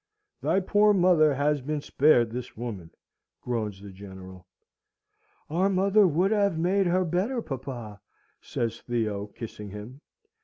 "Thy poor mother has been spared this woman," groans the General. "Our mother would have made her better, papa," says Theo, kissing him.